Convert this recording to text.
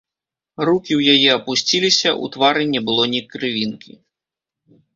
Рукі ў яе апусціліся, у твары не было ні крывінкі.